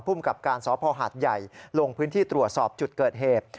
ภูมิกับการสพหาดใหญ่ลงพื้นที่ตรวจสอบจุดเกิดเหตุ